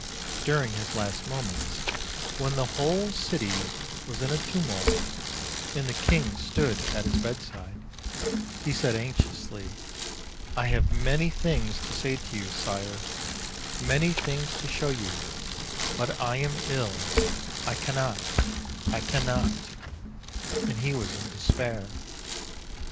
During his last moments, when the whole city was in a tumult, and the king stood at his bedside, he said anxiously, "I have many things to say to you, Sire, many things to show you; but I am ill; I cannot, I cannot;" and he was in despair.